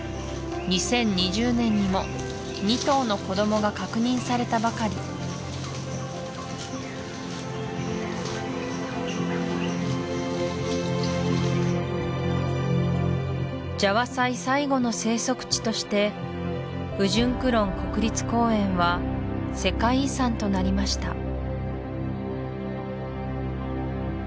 ２０２０年にも２頭の子どもが確認されたばかりジャワサイ最後の生息地としてウジュンクロン国立公園は世界遺産となりました